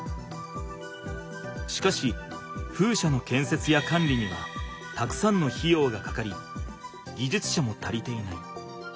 しかし風車のけんせつやかんりにはたくさんの費用がかかり技術者も足りていない。